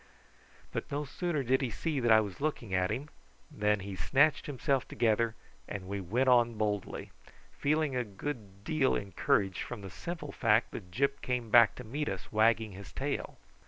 But no sooner did he see that I was looking at him than he snatched himself together, and we went on boldly, feeling a good deal encouraged from the simple fact that Gyp came back to meet us wagging his tail.